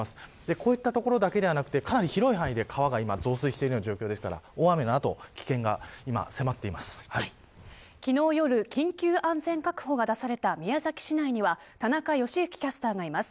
こういった所だけではなくて広い範囲で川が増水している状況ですから大雨の後昨日夜、緊急安全確保が出された宮崎市内には田中良幸キャスターがいます。